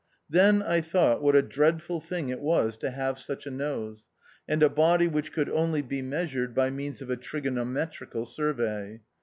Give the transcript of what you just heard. Then I thought what a dreadful thing it was to have such a nose, and a body which could only be measured by means of a trigonometrical survey.